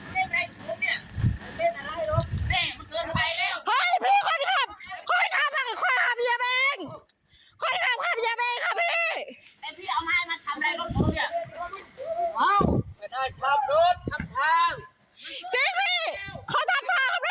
จริงรถพี่มันมีทะเบียนมาทำไมทำไมทำไมทำไม